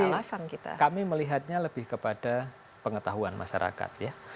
kalau saya sih kami melihatnya lebih kepada pengetahuan masyarakat ya